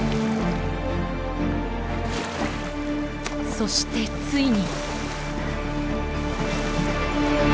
そしてついに。